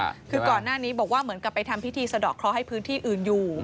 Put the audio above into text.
คือก่อนหน้านี้บอกว่าเหมือนกับไปทำพิธีสะดอกเคราะห์ให้พื้นที่อื่นอยู่